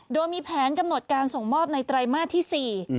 โดยมีแผนกำหนดการส่งมอบในไตรมาสที่๔